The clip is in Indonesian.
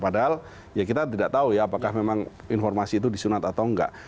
padahal ya kita tidak tahu ya apakah memang informasi itu di sunat atau nggak